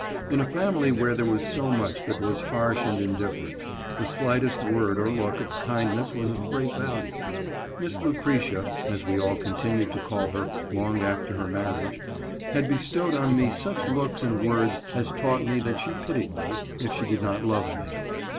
In a family where there was so much that was harsh and indifferent, the slightest word or look of kindness was of great value. Miss Lucretia — as we all continued to call her long after her marriage — had be stowed on me such looks and words as taught me that she pitied me, if she did not love me.